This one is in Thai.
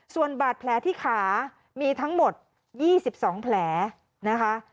ส่วนบาดแผลที่ขามีทั้งหมด๒๒แผลนะคะ